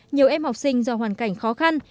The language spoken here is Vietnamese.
nhiều em học sinh do hoàn cảnh khó khăn